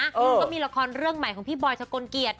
ก็มีละครเรื่องใหม่ของพี่บอยชะกลเกียจ